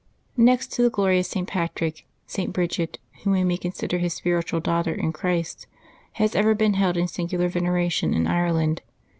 DEXT to the glorious St. Patrick, St. Bridgid, whom we may consider his spiritual daughter in Christ, has ever been held in singular veneration in Ireland.